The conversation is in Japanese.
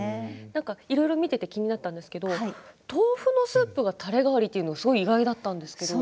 いろいろ見ていて気になったんですけど豆腐のスープがたれ代わりというのがすごく意外だったんですけど。